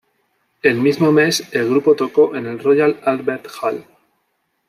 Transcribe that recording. El mismo mes, el grupo tocó en el Royal Albert Hall.